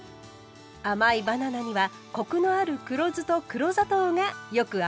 甘いバナナにはコクのある黒酢と黒砂糖がよく合います。